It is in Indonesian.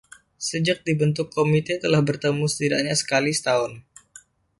Sejak dibentuk, komite telah bertemu setidaknya sekali setahun.